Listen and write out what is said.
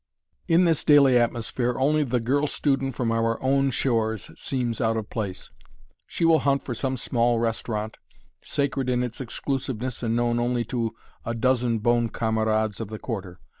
In this daily atmosphere only the girl student from our own shores seems out of place. She will hunt for some small restaurant, sacred in its exclusiveness and known only to a dozen bon camarades of the Quarter.